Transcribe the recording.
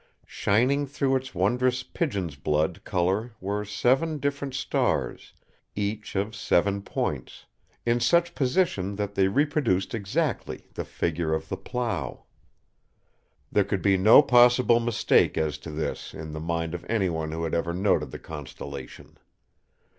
Shining through its wondrous "pigeon's blood" colour were seven different stars, each of seven points, in such position that they reproduced exactly the figure of the Plough. There could be no possible mistake as to this in the mind of anyone who had ever noted the constellation.